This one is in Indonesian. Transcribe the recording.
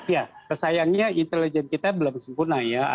ya tersayangnya intelijens kita belum sempurna ya